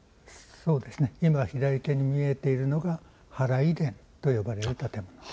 今、左手に見えているのが祓殿と呼ばれる建物です。